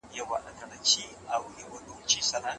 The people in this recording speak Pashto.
ځان د ټولني له خلګو څخه مه پردی کوئ.